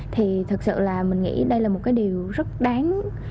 thì thật sự là mình nghĩ đây là một cái điều rất đáng